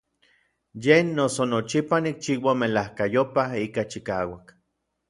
Yen noso nochipa nikchiua melajkayopaj ika chikauak.